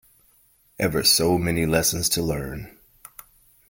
Ever so many lessons to learn!